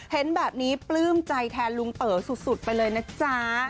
เห็นแบบนี้ปลื้มใจแทนลุงเต๋อสุดไปเลยนะจ๊ะ